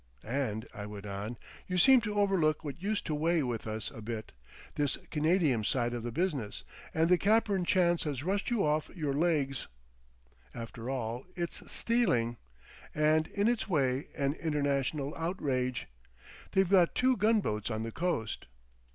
"And," I went on, "you seem to overlook what used to weigh with us a bit. This canadium side of the business and the Capern chance has rushed you off your legs. After all—it's stealing, and in its way an international outrage. They've got two gunboats on the coast."